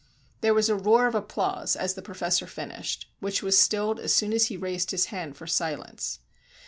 There was a roar of applause as the professor finished, which was stilled as soon as he raised his hand for silence.